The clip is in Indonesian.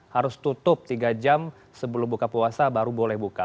harus tutup tiga jam sebelum buka puasa baru boleh buka